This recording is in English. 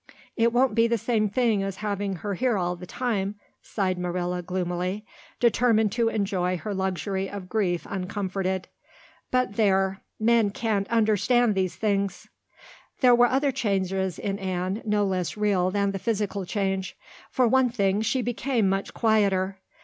"It won't be the same thing as having her here all the time," sighed Marilla gloomily, determined to enjoy her luxury of grief uncomforted. "But there men can't understand these things!" There were other changes in Anne no less real than the physical change. For one thing, she became much quieter.